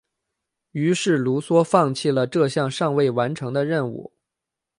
于是卢梭放弃了这项尚未完成的任务。